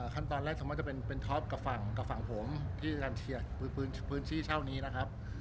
ขั้นตอนแรกส่วนมากจะเป็นท็อปกับฝั่งผมที่การเชียร์พื้นที่เช่านี้นะครับ